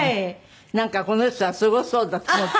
なんかこの人はすごそうだと思って。